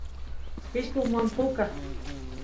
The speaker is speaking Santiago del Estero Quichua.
pishqo uman puka